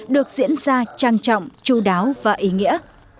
được diễn ra trang trọng chú đáo và ý nghĩa